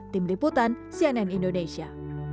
tim liputan cnn indonesia